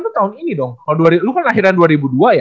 lu tahun ini dong kalo lu kan lahiran dua ribu dua ya